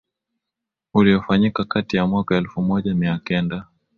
uliofanyika kati ya mwaka elfu moja mia kenda